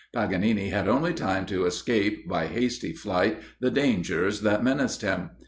Paganini had only time to escape, by hasty flight, the dangers that menaced him.